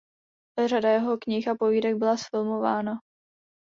Řada jeho knih a povídek byla zfilmována.